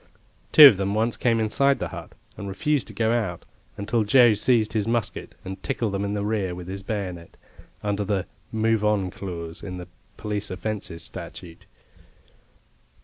Two of them once came inside the hut and refused to go out, until Joe seized his musket, and tickled them in the rear with his bayonet, under the "move on" clause in the Police Offences Statute.